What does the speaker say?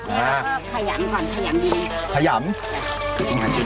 นี่เราก็ขยัมก่อนขยัมที่ไหนครับ